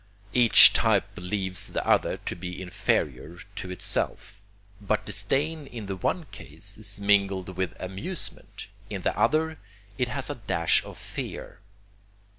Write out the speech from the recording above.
Each type believes the other to be inferior to itself; but disdain in the one case is mingled with amusement, in the other it has a dash of fear.